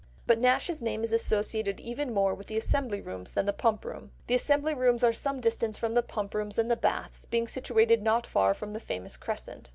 But Nash's name is associated even more with the Assembly Rooms than the Pump Room. The Assembly Rooms are some distance from the Pump Rooms and the Baths, being situated not far from the famous crescent.